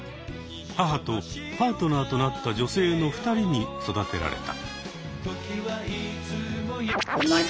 母とパートナーとなった女性の２人に育てられた。